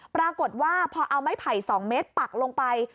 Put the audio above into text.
ปรากฏว่าพอเอาไม้ไผ่๒เมตรปักลงไป